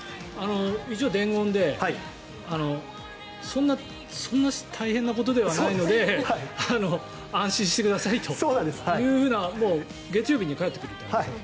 一応、伝言でそんな大変なことではないので安心してくださいという月曜日に帰ってくると思います。